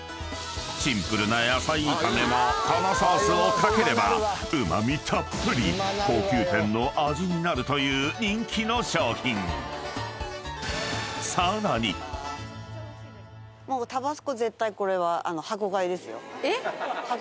［シンプルな野菜炒めもこのソースを掛ければうま味たっぷり高級店の味になるという人気の商品］えっ？